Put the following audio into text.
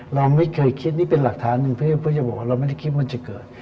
เราไม่เคยคิดนี่เป็นหลักฐานหนึ่งเพื่อจะบอกว่าเราไม่ได้คิดมันจะเกิด